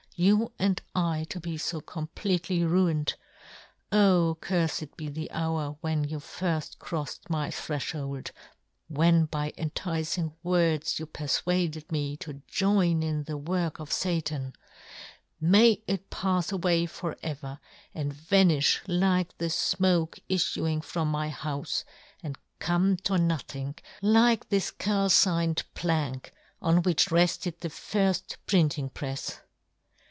You " and I to be fo completely ruined !" O curfed be the hour when you " firft crofTed my threfhold, when " by enticing words you perfuaded " me to join in the work of Satan !" May it pafs away for ever, and " vanifti like the fmoke ifluing from " my houfe, and come to nothing, " like this calcined plank on which " refted the firft printing prefs